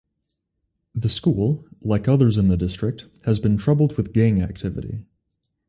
The school, like others in the district, has been troubled by gang activity.